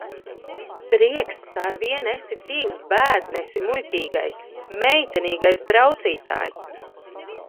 Prieks, ka arvien esi dzīvs, Bēdnesi, muļķīgais, meitenīgais braucītāj!